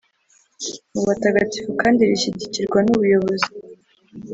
mu batagatifu kandi rishyigikirwa n’ubuyobozi